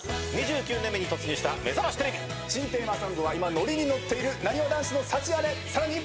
２９年目に突入した『めざましテレビ』新テーマソングは今ノリに乗っているなにわ男子の『サチアレ』さらに。